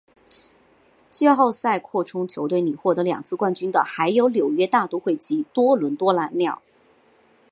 季后赛扩充球队里面获得两次冠军的还有纽约大都会及多伦多蓝鸟。